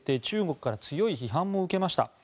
中国から強い批判も受けました。